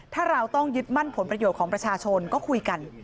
ถ้าเราต้องยึดมั่นผลประโยชน์ของประชาชนก็คุยกัน